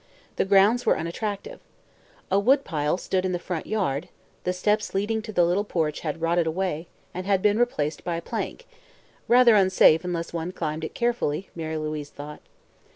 The grounds were unattractive. A woodpile stood in the front yard; the steps leading to the little porch had rotted away and had been replaced by a plank rather unsafe unless one climbed it carefully, Mary Louise thought.